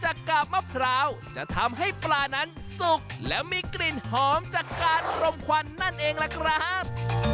กาบมะพร้าวจะทำให้ปลานั้นสุกและมีกลิ่นหอมจากการรมควันนั่นเองล่ะครับ